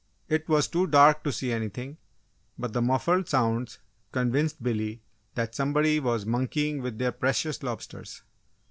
It was too dark to see anything, but the muffled sounds convinced Billy that somebody was "monkeying" with their precious lobsters.